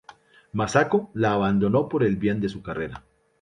Masako la abandonó por el bien de su carrera.